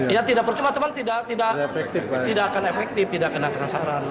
ya tidak percuma teman teman tidak akan efektif tidak akan kesasaran